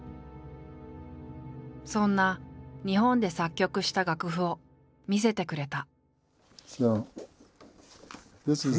そんな日本で作曲した楽譜を見せてくれた。